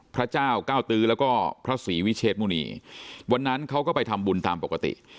พระเจ้าเก้าตื้อแล้วก็พระศรีวิเชษมุณีวันนั้นเขาก็ไปทำบุญตามปกติ